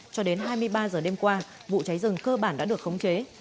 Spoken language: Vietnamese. cho đến hai mươi ba giờ đêm qua vụ cháy rừng cơ bản đã được khống chế